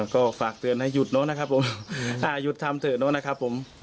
ก็ฝากเตือนให้หยุดเนอะนะครับผมหยุดทำเถอะเนอะนะครับผม